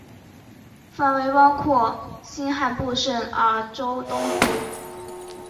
范围包括新罕布什尔州东部。